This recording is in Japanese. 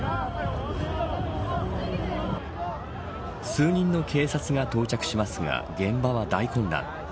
数人の警察が到着しますが現場は大混乱。